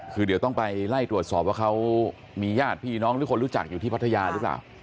คือเดี๋ยวต้องไปไล่ตรวจสอบว่าเขามีญาติพี่น้องหรือคนรู้จักอยู่ที่พัทยาหรือเปล่า